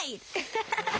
ハハハハハ！